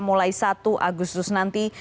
mulai satu agustus nanti